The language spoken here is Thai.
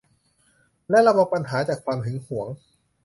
และระวังปัญหาจากความหึงหวง